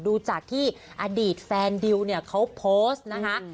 ดูจากที่อดีตแฟนดิวเนี่ยเขาโพสต์นะคะ